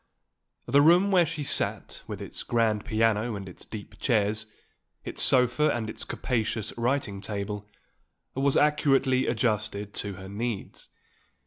The room where she sat, with its grand piano and its deep chairs, its sofa and its capacious writing table, was accurately adjusted to her needs.